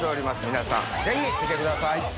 皆さんぜひ見てください。